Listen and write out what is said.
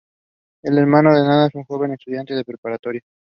Es el hermano de Nana, un joven estudiante de preparatoria.